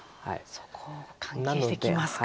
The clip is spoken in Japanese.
そこ関係してきますか。